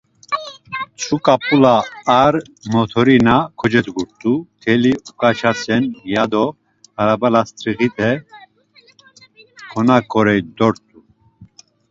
Mtzu ǩap̌ula ar motorina kocedgurt̆u, teli oǩaçasen ya do araba last̆riğite konoǩorey dort̆u.